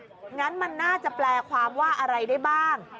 งั้นมันน่าจะแปลความว่าอะไรได้บ้าง